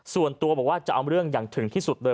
ส่วนตัวบอกว่าจะเอาเรื่องอย่างถึงที่สุดเลย